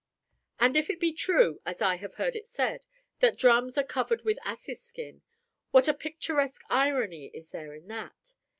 And if it be true, as I have heard it said, that drums are covered with asses' skin, what a picturesque irony is there in that!